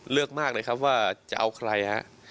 เลือกมากเลยครับว่าจะเอาใครฮะ